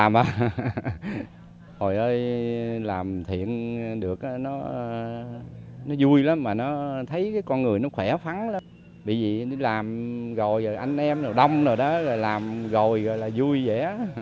bởi vì làm rồi anh em đông rồi đó làm rồi là vui vẻ